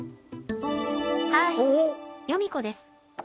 はーい、ヨミ子です。